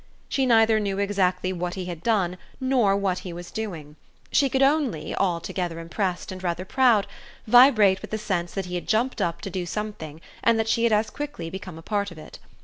She neither knew exactly what he had done nor what he was doing; she could only, altogether impressed and rather proud, vibrate with the sense that he had jumped up to do something and that she had as quickly become a part of it.